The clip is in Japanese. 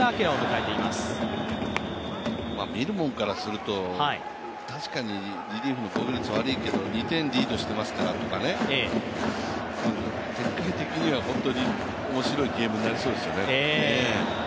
見るものからすると、確かにリリーフの防御率悪いけど２点リードしていますから、今ね展開的にはおもしろいゲームになりそうですよね。